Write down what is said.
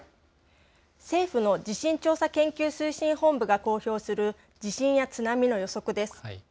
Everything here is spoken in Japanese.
政府の地震調査研究推進本部が公表する地震や津波の予測です。